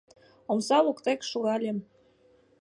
Омса воктен шогальым.